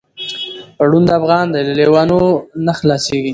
ړوند افغان دی له لېوانو نه خلاصیږي